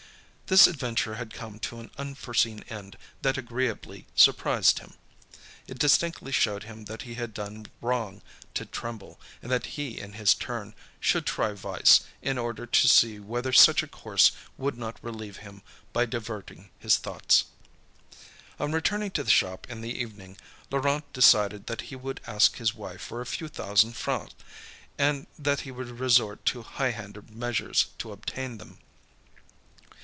This adventure had come to an unforeseen end that agreeably surprised him. It distinctly showed him that he had done wrong to tremble, and that he, in his turn, should try vice, in order to see whether such a course would not relieve him by diverting his thoughts. On returning to the shop in the evening, Laurent decided that he would ask his wife for a few thousand francs, and that he would resort to high handed measures to obtain them.